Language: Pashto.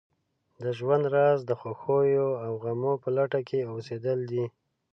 د ژوند راز د خوښیو او غمو په لټه کې اوسېدل دي.